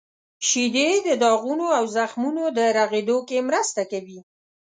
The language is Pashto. • شیدې د داغونو او زخمونو د رغیدو کې مرسته کوي.